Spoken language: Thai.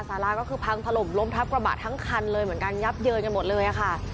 สาราก็คือพังถล่มล้มทับกระบะทั้งคันเลยเหมือนกันยับเยินกันหมดเลยค่ะ